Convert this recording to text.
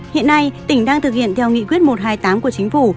hiện nay tỉnh đang thực hiện theo nghị quyết một trăm hai mươi tám của chính phủ